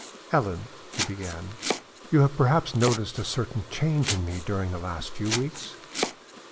"Ellen," he began, "you have perhaps noticed a certain change in me during the last few weeks?"